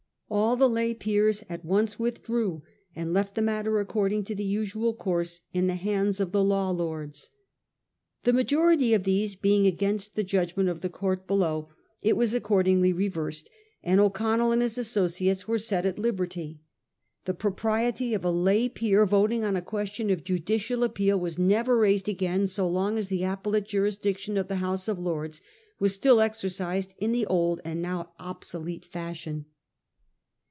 All the lay peers at once withdrew and left the matter according to the usual course in the hands of the law lords. The majority of these being against the judgment . of the court below, it was 298 A HISTORY OF OUR OWN TIMES. ch. xa. accordingly reversed, and O'Connell and his asso ciates were set at liberty. The propriety of a lay peer voting on a question of judicial appeal was never raised again so long as the appellate jurisdic tion of the House of Lords was still exercised in the old and now obsolete fashion.